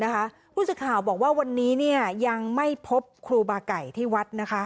ผู้สื่อข่าวบอกว่าวันนี้ยังไม่พบครูบาไก่ที่วัด